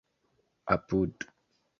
apud